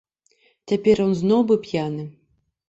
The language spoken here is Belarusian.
Цяпер ён зноў быў п'яны.